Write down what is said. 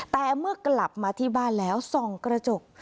แต่เมื่อกลับมาที่บ้านแล้วส่องกระจก